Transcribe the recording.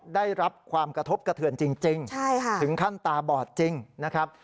ได้รับความกระทบกระเทือนจริงถึงขั้นตาบอดจริงนะครับ